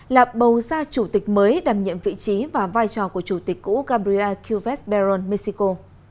là bầu ra chủ tịch mới đảm nhiệm vị trí và vai trò của chủ tịch cũ gabria kyuvers beron mexico